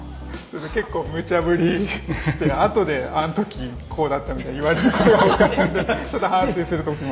結構むちゃぶりしてあとであのときこうだったみたいに言われることが多かったんでちょっと反省するとこも。